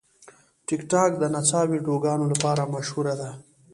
ټیکټاک د نڅا ویډیوګانو لپاره مشهوره ده.